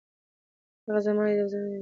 هغه زما يوازينی مینه وه.